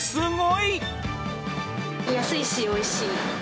安いし、おいしい。